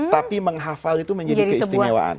tapi menghafal itu menjadi keistimewaan